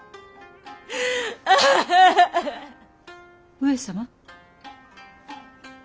上様？